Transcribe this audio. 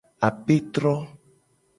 Apetro.